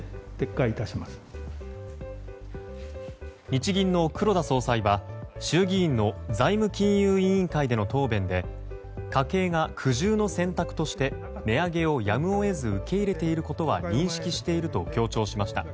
日銀の黒田総裁は衆議院の財務金融委員会の答弁で家計が苦渋の選択として値上げをやむを得ず受け入れていることは認識していると強調しました。